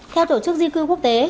theo tổ chức di cư quốc tế